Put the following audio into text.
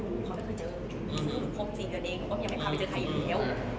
ผมจะเองยังไปเจอถ่ายอยู่แล้ว